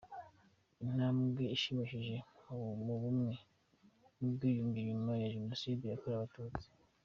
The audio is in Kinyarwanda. Intambwe ishimishije mu bumwe n’ubwiyunge nyuma ya Jenoside yakorewe Abatutsi.